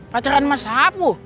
pacaran mas sapu